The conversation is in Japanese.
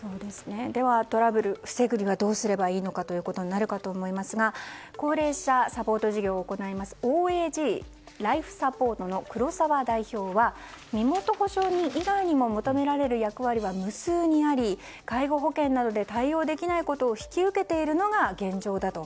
では、トラブルを防ぐにはどうすればいいのかということになるかと思いますが高齢者サポート事業を行いますＯＡＧライフサポートの黒澤代表は、身元保証人以外にも求められる役割は無数にあり介護保険などで対応できないことを引き受けているのが現状だと。